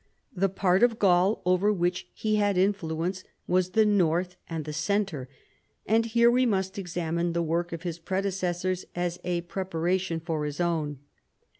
The part of Gaul over which he had influence was the north and the centre : and here we must examine the work of his predecessors as a prepara tion for his own.